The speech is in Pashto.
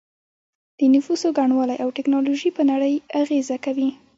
د نفوسو ګڼوالی او ټیکنالوژي په نړۍ اغیزه کوي